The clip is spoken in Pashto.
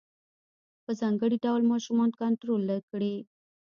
په ځانګړي ډول ماشومان کنترول کړي.